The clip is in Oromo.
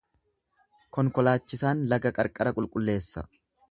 Konkolaachisaan laga qarqara qulqulleessa.